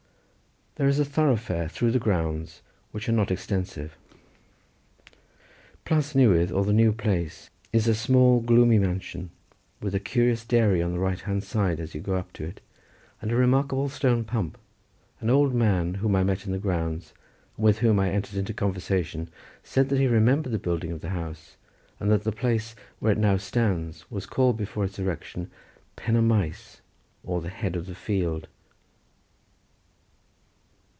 There is a thoroughfare through the grounds, which are not extensive. Plas Newydd, or the New Place, is a small, gloomy mansion, with a curious dairy on the right hand side, as you go up to it, and a remarkable stone pump. An old man whom we met in the grounds, and with whom I entered into conversation, said that he remembered the building of the house, and that the place where it now stands was called before its erection Pen y maes, or the head of the field.